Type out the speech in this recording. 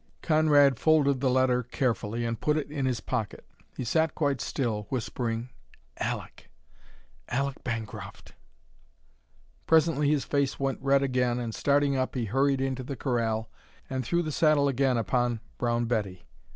Conrad folded the letter carefully, and put it in his pocket. He sat quite still, whispering "Aleck! Aleck Bancroft!" Presently his face went red again and starting up he hurried into the corral and threw the saddle again upon Brown Betty.